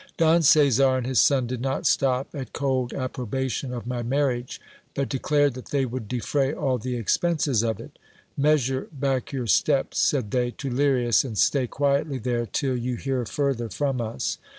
Don Caesar and his son did not stop at cold approbation of my marriage, but declared that they would defray all the expenses of it. Measure back your steps, said they, to Lirias, and stay quietly there till you hear further from us.